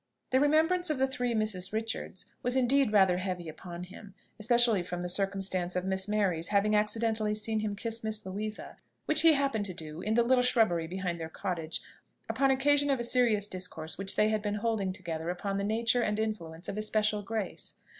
The remembrance of the three Misses Richards was indeed rather heavy upon him; especially from the circumstance of Miss Mary's having accidentally seen him kiss Miss Louisa, which he happened to do, in the little shrubbery behind their cottage, upon occasion of a serious discourse which they had been holding together upon the nature and influence of especial grace.